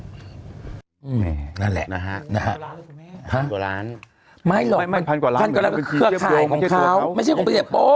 อืมนั่นแหละนะฮะไม่หรอกมันเชือกขายของเขาไม่ใช่ของพฤศโปร์